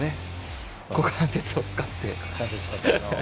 股関節を使って。